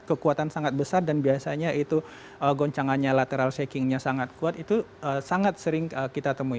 kekuatan sangat besar dan biasanya itu goncangannya lateral shakingnya sangat kuat itu sangat sering kita temui